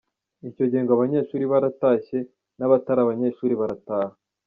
Icyo gihe ngo abanyeshuri baratashye, n’abatari abanyeshuri barataha.